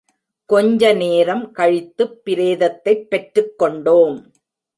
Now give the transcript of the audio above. கொஞ்சநேரம் கழித்துப் பிரேதத்தைப் பெற்றுக்கொண்டோம்.